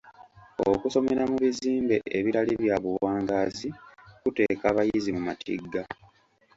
Okusomera mu bizimbe ebitali bya buwangaazi kuteeka abayizi mu matigga.